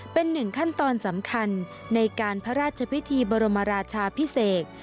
เป็นหนึ่งขั้นตอนสำคัญในการพระราชพิธีบรมราชาพิเศษ